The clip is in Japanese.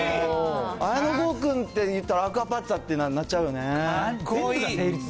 綾野剛君っていったら、アクアパッツァってなっちゃうよね。